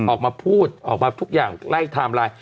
ออกมาพูดออกมาทุกอย่างไล่ไทม์ไลน์